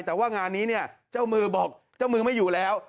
แต่ว่างานนี้เนี่ยเจ้ามือบอกเจ้ามือไม่อยู่แล้ว